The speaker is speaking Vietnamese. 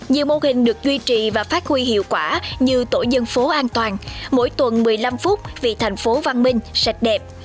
nhiều mô hình được duy trì và phát huy hiệu quả như tổ dân phố an toàn mỗi tuần một mươi năm phút vì thành phố văn minh sạch đẹp